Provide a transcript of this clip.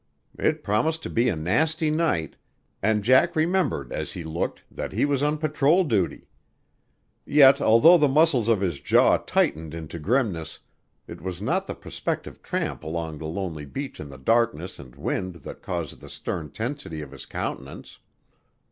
It promised to be a nasty night, and Jack remembered as he looked that he was on patrol duty. Yet although the muscles of his jaw tightened into grimness, it was not the prospective tramp along a lonely beach in the darkness and wind that caused the stern tensity of his countenance.